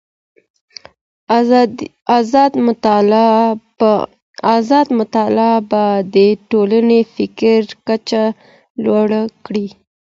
ازاده مطالعه به د ټولني فکري کچه لوړه کړي.